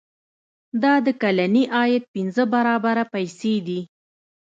دا د کلني عاید پنځه برابره پیسې دي.